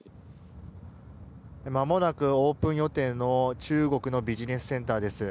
まもなくオープン予定の中国のビジネスセンターです。